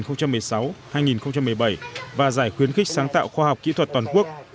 năm hai nghìn một mươi bốn năm hai nghìn một mươi sáu hai nghìn một mươi bảy và giải khuyến khích sáng tạo khoa học kỹ thuật toàn quốc